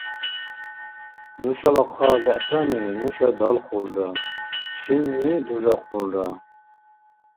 Нушала хъа бегӀтани нуша далхулра, шинни дужахъулра.